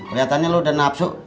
keliatannya lu udah nafsu